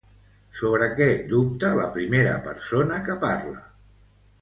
Sobre què dubta la primera persona que parla?